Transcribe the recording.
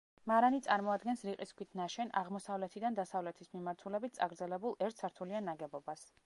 მარანი წარმოადგენს რიყის ქვით ნაშენ, აღმოსავლეთიდან დასავლეთის მიმართულებით წაგრძელებულ ერთ სართულიან ნაგებობას.